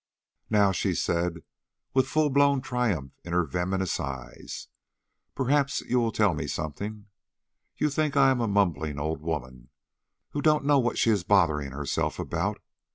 "Now," said she, with full blown triumph in her venomous eyes, "perhaps you will tell me something! You think I am a mumbling old woman who don't know what she is bothering herself about.